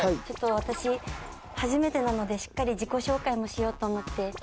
ちょっと私初めてなのでしっかり自己紹介もしようと思って。